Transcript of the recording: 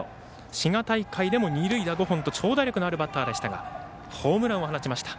滋賀大会でも二塁打５本と長打力のあるバッターでしたがホームランを放ちました。